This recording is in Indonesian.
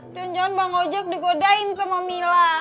jangan jangan bang ojak digodain sama mila